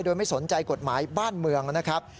โดยไม่สนใจกฎหมายบ้านเมืองนะครับ